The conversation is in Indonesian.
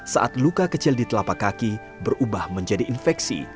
saat luka kecil di telapak kaki berubah menjadi infeksi